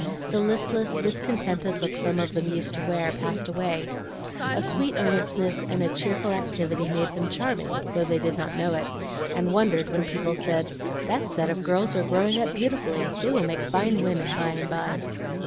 The listless, discontented look some of them used to wear passed away; a sweet earnestness and a cheerful activity made them charming, though they did not know it, and wondered when people said, "That set of girls are growing up beautifully; they will make fine women by and by."